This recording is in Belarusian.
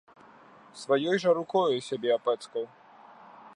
Сваёй жа рукою сябе апэцкаў.